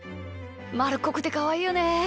まるっこくてかわいいよね。